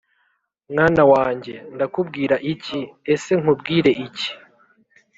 mwana wanjye, ndakubwira iki? Ese nkubwire iki?